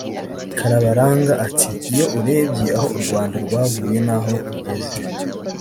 Karabaranga ati “Iyo urebye aho u Rwanda rwavuye n’aho rugeze